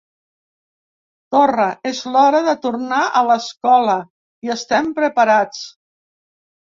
Torra: ‘És hora de tornar a l’escola i estem preparats’